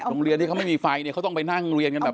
โรงเรียนที่เขาไม่มีไฟเนี่ยเขาต้องไปนั่งเรียนกันแบบ